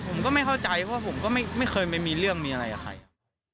ผมก็ไม่เข้าใจเพราะผมก็ไม่เคยไปมีเรื่องมีอะไรกับใครครับ